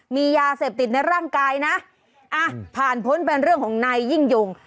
มียาเสพติดในร่างกายนะอ่ะผ่านพ้นเป็นเรื่องของนายยิ่งยง